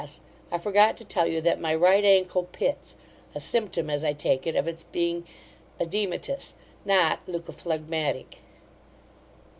I forgot to tell you, that my right ancle pits, a symptom, as I take it, of its being oedematous, not leucophlegmatic.